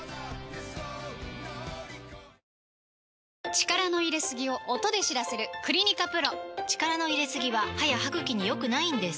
力の入れすぎを音で知らせる「クリニカＰＲＯ」力の入れすぎは歯や歯ぐきに良くないんです